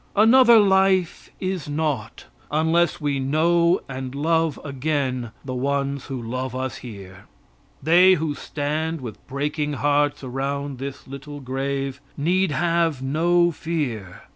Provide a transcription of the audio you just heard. Another life is naught, unless we know and love again the ones who love us here. They who stand with breaking hearts around this little grave need have no fear.